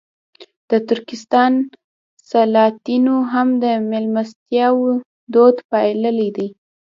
د ترکستان سلاطینو هم د مېلمستیاوو دود پاللی دی.